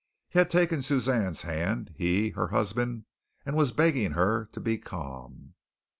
He had taken Suzanne's hand, he, her husband, and was begging her to be calm.